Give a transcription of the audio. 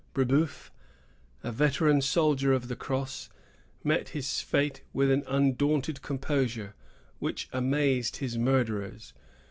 Brebeuf, a veteran soldier of the cross, met his fate with an undaunted composure, which amazed his murderers.